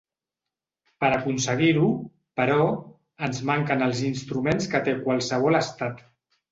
Per aconseguir-ho, però, ens manquen els instruments que té qualsevol estat.